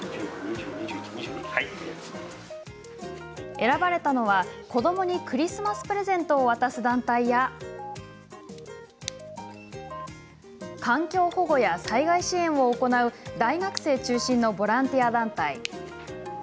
選ばれたのは子どもにクリスマスプレゼントを渡す団体や環境保護や災害支援を行う大学生中心のボランティア団体。